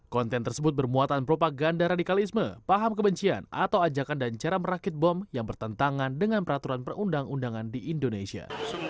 konten tersebut bermuatan propaganda radikalisme paham kebencian atau ajakan dan cara merakit bom yang bertentangan dengan peraturan perundang undangan di indonesia